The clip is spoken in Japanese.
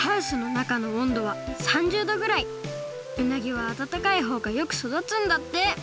うなぎは暖かいほうがよく育つんだって。